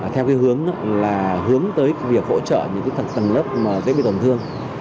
theo cái hướng đó là hướng tới việc hỗ trợ những cái tầng lớp dễ bị tổn thương